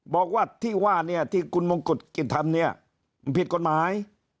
บอกว่าที่ว่าเนี่ยที่คุณมงกุฎกิจทำเนี่ยมันผิดกฎหมาย